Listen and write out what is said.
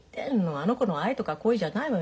あの子のは愛とか恋じゃないわよ。